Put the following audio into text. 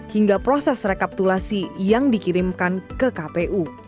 hingga proses rekapitulasi yang dikirimkan ke kpu